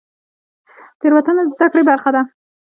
تیروتنه د زده کړې برخه ده